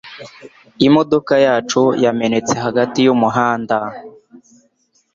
Imodoka yacu yamenetse hagati yumuhanda.